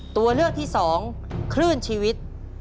ตัวเลือกที่๒คลื่นชีวิต